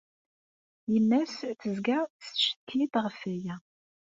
Yemma-s tezga tettcetki-d ɣef waya.